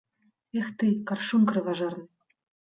Эх ты, каршун крыважэрны!